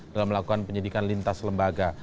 dalam melakukan penyidikan lintas lembaga